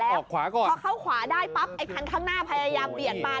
เบอร์ออกขวาก่อนเขาเข้าขวาได้ปั๊บไอคันข้างหน้าพยายามเปลี่ยนมา